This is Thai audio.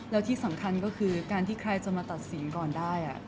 แล้วที่สำคัญก็คือการที่ใครจะมาตัดสินก่อนได้